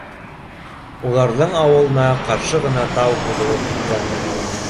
Уларҙың ауылына ҡаршы ғына тау һуҙылып киткән